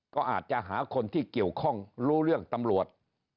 ก็อาจจะหาคนที่เกี่ยวข้องรู้เรื่องตำรวจ